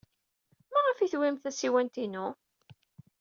Maɣef ay tewwimt tasiwant-inu?